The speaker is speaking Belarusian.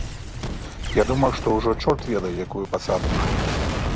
Я думаў, што ўжо чорт ведае якую пасаду маеш!